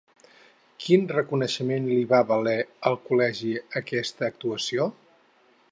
Quin reconeixement li va valer al Col·legi aquesta actuació?